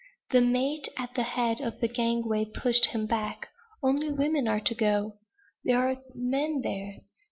The mate, at the head of the gangway, pushed him back. "Only women are to go!" "There are men there."